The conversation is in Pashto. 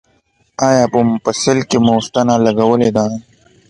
ایا په مفصل کې مو ستنه لګولې ده؟